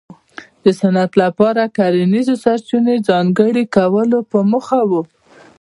د صنعت لپاره کرنیزو سرچینو ځانګړي کولو په موخه و.